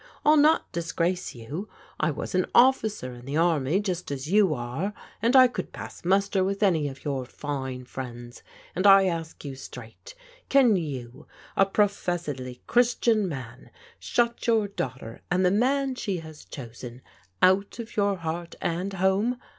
I'll not disgrace you. I was an officer in the army just as you are, and I could pass muster with any of your fine friends: and I ask you straight, can you, a professedly Christian man, shut your daughter, and the man she has chosen, out of your heart and home?